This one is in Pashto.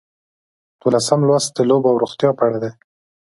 دولسم لوست د لوبو او روغتیا په اړه دی.